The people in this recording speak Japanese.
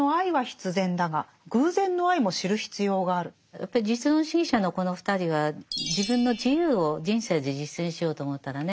やっぱり実存主義者のこの２人は自分の自由を人生で実践しようと思ったらね